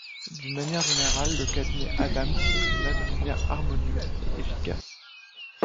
D'une manière générale, le cabinet Adams fonctionna de manière harmonieuse et efficace.